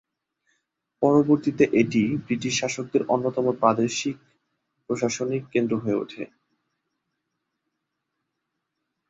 পরবর্তীতে এটি ব্রিটিশ শাসকদের অন্যতম প্রাদেশিক প্রশাসনিক কেন্দ্র হয়ে ওঠে।